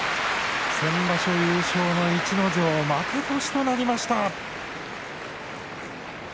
先場所優勝の逸ノ城は負け越しとなりました。